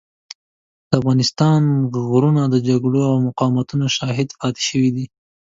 د افغانستان غرونه د جګړو او مقاومتونو شاهد پاتې شوي دي.